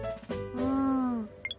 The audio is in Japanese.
うん。